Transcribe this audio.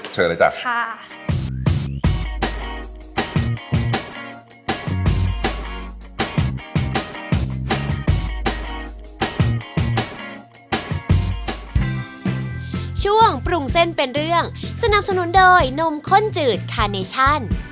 ใช่ค่ะเชิญเลยจ้ะค่ะโอเคเชิญเลยจ้ะ